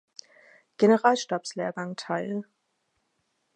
Generalstabslehrgang teil.